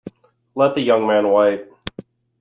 Let the young man wait.